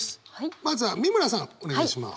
まずは美村さんお願いします。